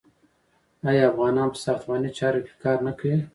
آیا افغانان په ساختماني چارو کې کار نه کوي؟